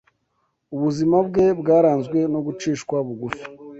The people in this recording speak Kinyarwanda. Ubuzima bwe bwaranzwe no gucishwa bugufi